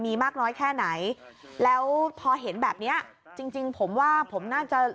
มีมากน้อยแค่ไหนแล้วพอเห็นแบบเนี้ยจริงจริงผมว่าผมน่าจะ